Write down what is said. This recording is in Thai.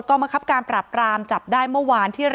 อ๋อเจ้าสีสุข่าวของสิ้นพอได้ด้วย